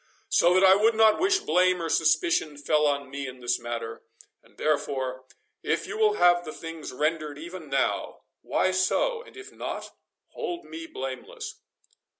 So that I would not wish blame or suspicion fell on me in this matter. And, therefore, if you will have the things rendered even now,—why so—and if not, hold me blameless."